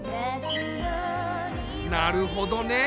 なるほどね。